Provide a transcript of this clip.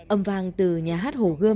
âm vang từ nhà hát hồ gươm